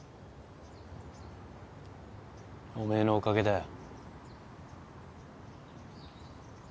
おめえのおかげだよ。